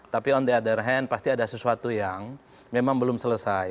tapi on the other hand pasti ada sesuatu yang memang belum selesai